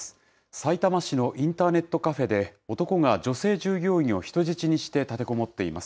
さいたま市のインターネットカフェで、男が女性従業員を人質にして立てこもっています。